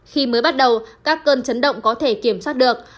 khi mới bắt đầu các cơn chấn động có thể kiểm soát được